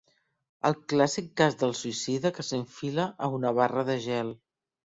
El clàssic cas del suïcida que s'enfila a una barra de gel.